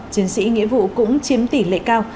chiến sĩ nghĩa vụ cũng chiếm tỷ lệ cao